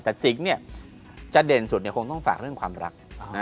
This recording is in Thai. แต่สิงค์เนี่ยจะเด่นสุดเนี่ยคงต้องฝากเรื่องความรัก